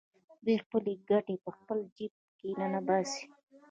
دوی خپلې ګټې په خپل جېب کې ننباسي